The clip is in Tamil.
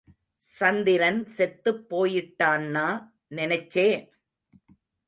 சந்திரன் செத்துப் போயிட்டான்னா நினைச்சே!